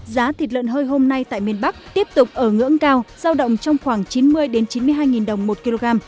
giá thịt lợn hơi hôm nay tại miền bắc tiếp tục ở ngưỡng cao giao động trong khoảng chín mươi chín mươi hai đồng một kg